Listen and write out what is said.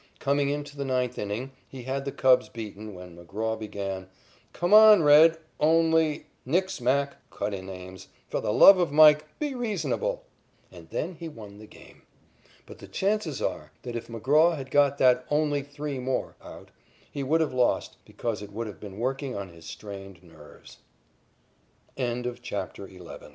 Coming into the ninth inning, he had the Cubs beaten, when McGraw began: "Come on, 'Red,' only " "Nix, Mac," cut in Ames, "for the love of Mike, be reasonable." And then he won the game. But the chances are that if McGraw had got that "only three more" out, he would have lost, because it would have been working